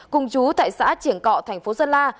cùng chú tại xã triển cọ tp sơn la